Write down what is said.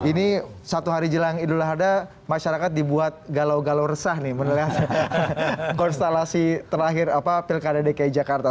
ini satu hari jelang idul adha masyarakat dibuat galau galau resah nih meneles konstelasi terakhir pilkada dki jakarta